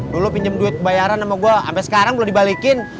dulu pinjem duit kebayaran sama gue sampai sekarang udah dibalikin